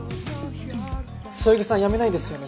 そよぎさん辞めないですよね？